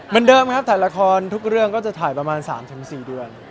เหมือนเดิมครับถ่ายละครทุกเรื่องก็จะถ่ายประมาณ๓๔เดือน